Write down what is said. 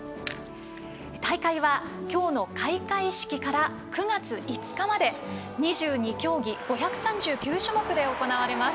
大会は今日の開会式から９月５日まで２２競技、５３９種目で行われます。